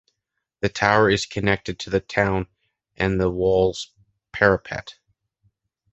The tower is connected to the town and the wall’s parapet.